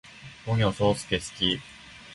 ポニョ，そーすけ，好き